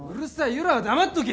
ゆらは黙っとけ」